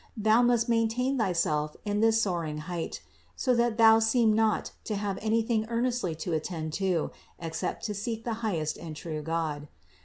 Thou must maintain thyself in this soaring height, so that thou seem not to have anything earnestly to attend to, except to seek the highest and true God.